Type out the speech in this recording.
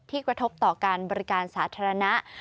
กระทบต่อการบริการสาธารณะ